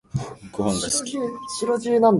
ごはんが好き